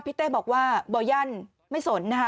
พี่เต้บอกว่าบอยั่นไม่สน